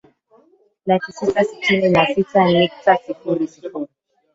laki sita sitini na sita nikta sifuri sifuri